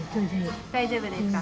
大丈夫ですか？